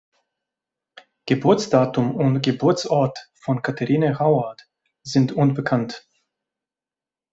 Geburtsdatum und Geburtsort von Catherine Howard sind unbekannt.